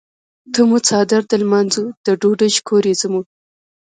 ته مو څادر د لمانځۀ د ډوډۍ شکور یې زموږ.